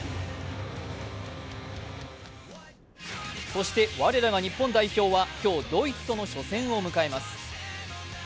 そして、我らが日本代表は今日ドイツとの初戦を迎えます。